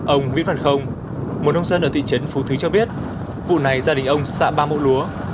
ông nguyễn văn không một nông dân ở thị trấn phú thứ cho biết vụ này gia đình ông xạ ba mẫu lúa